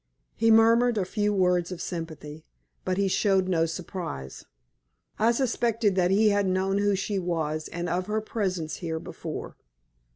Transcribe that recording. He murmured a few words of sympathy, but he showed no surprise. I suspected that he had known who she was and of her presence here before.